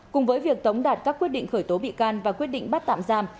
cùng với việc tống đạt các quyết định khởi tố bị can và quyết định bắt tạm giam